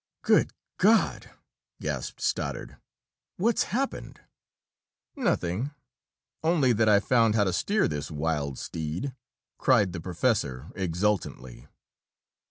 "Good God!" gasped Stoddard. "What's happened?" "Nothing only that I've found how to steer this wild steed!" cried the professor, exultantly.